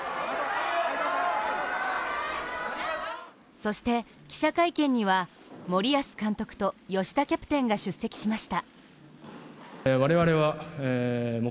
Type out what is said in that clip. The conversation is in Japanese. そして、記者会見には、森保監督と吉田キャプテンが出席しました。